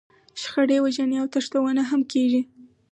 شخړې، وژنې او تښتونه هم کېږي.